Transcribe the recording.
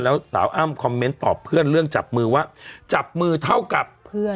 แล้วสาวอ้ำคอมเมนต์ตอบเพื่อนเรื่องจับมือว่าจับมือเท่ากับเพื่อน